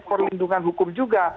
perlindungan hukum juga